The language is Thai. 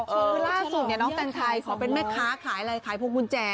ชื่ออื่นพื้นล่าสุดน้องตังค์ไทยปอเป็นแม่ค้าขายไหนขายพูนแจ